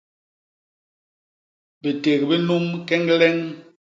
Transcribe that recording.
Biték bi num keñgleñ.